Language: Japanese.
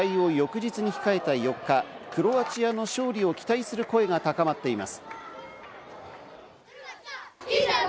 試合を前日に控えた４日、クロアチアの勝利を期待する声が高まっています。